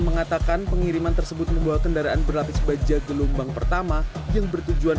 mengatakan pengiriman tersebut membawa kendaraan berlapis baja gelombang pertama yang bertujuan